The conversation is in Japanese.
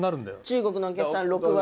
中国のお客さん６割。